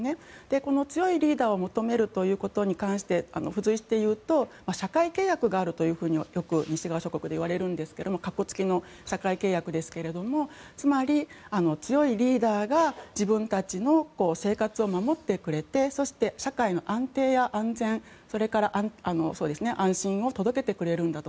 この強いリーダーを求めるということに関して付随して言うと社会契約があるとよく西側諸国で言われるんですが括弧付きの社会契約ですがつまり、強いリーダーが自分たちの生活を守ってくれてそして社会の安定や安全それから安心を届けてくれるんだと。